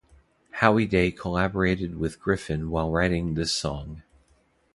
Howie Day collaborated with Griffin while writing this song.